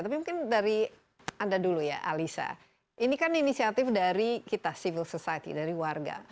tapi mungkin dari anda dulu ya alisa ini kan inisiatif dari kita civil society dari warga